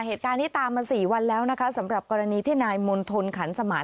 เหตุการณ์นี้ตามมาสี่วันแล้วนะคะสำหรับกรณีที่นายมณฑลขันสมาน